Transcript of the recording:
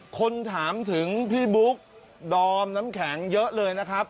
คนถามถึงพี่บุ๊กดอมน้ำแข็งเยอะเลยนะครับ